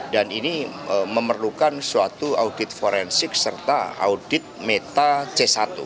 dan ini memerlukan suatu audit forensik serta audit meta c satu